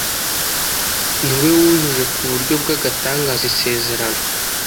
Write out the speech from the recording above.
Ni we wujuje ku buryo bw‟agatangaza Isezerano.